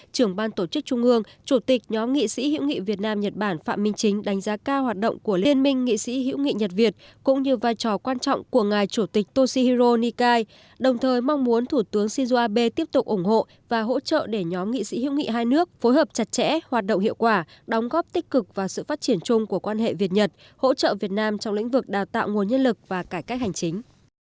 trưởng ban tổ chức trung ương chủ tịch nhóm nghị sĩ hiệu nghị việt nam nhật bản phạm minh chính đánh giá cao hoạt động của liên minh nghị sĩ hiệu nghị nhật việt cũng như vai trò quan trọng của ngài chủ tịch toshihiro nikai đồng thời mong muốn thủ tướng sijo abe tiếp tục ủng hộ và hỗ trợ để nhóm nghị sĩ hiệu nghị hai nước phối hợp chặt chẽ hoạt động hiệu quả đóng góp tích cực và sự phát triển chung của quan hệ việt nhật hỗ trợ việt nam trong lĩnh vực đào tạo nguồn nhân lực và cải cách hành chính